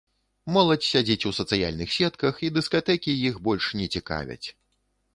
Моладзь сядзіць у сацыяльных сетках і дыскатэкі іх больш не цікавяць.